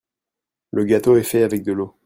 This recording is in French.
Le gâteau est fait avec de l'eau.